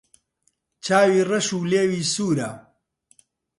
چاوی رەش و لێوی سوورە